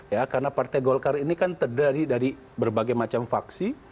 ya karena partai golkar ini kan terdiri dari berbagai macam faksi